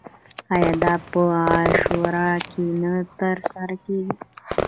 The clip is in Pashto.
آیا دا په عاشورا کې نه ترسره کیږي؟